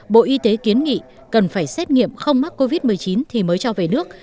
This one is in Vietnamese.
bộ y tế kiến nghị cần phải xét nghiệm không mắc covid một mươi chín thì mới cho về nước